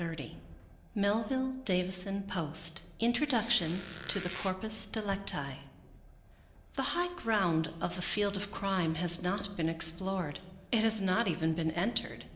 64 Melville Davisson Post Introduction to The Corpus Delicti The high ground of the field of crime has not been explored; it has not even been entered.